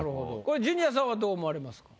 ジュニアさんはどう思われますか？